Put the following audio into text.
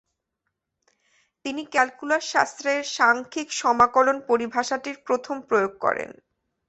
তিনি ক্যালকুলাস শাস্ত্রের সাংখ্যিক সমাকলন পরিভাষাটির প্রথম প্রয়োগ করেন।